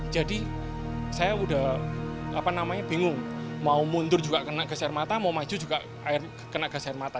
jadi saya sudah bingung mau mundur juga kena gas air mata mau maju juga kena gas air mata